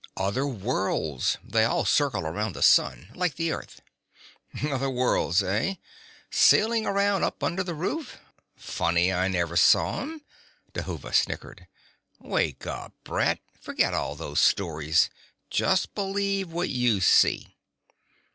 "Other worlds. They all circle around the sun, like the Earth." "Other worlds, eh? Sailing around up under the roof? Funny; I never saw them." Dhuva snickered. "Wake up, Brett. Forget all those stories. Just believe what you see."